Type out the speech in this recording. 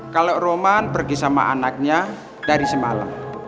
kalau roman pergi sama anaknya dari semalam